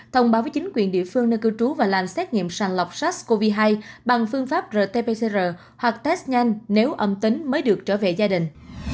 thông báo với chính quyền địa phương nơi cư trú và làm xét nghiệm sàng lọc sars cov hai bằng phương pháp rt pcr hoặc test nhanh nếu âm tính mới được trở về gia đình